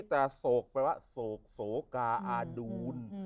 แต่โศกแปลว่าโศกโสกาอาดูล